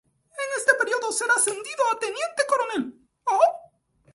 En este periodo será ascendido a teniente coronel.